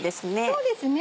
そうですね。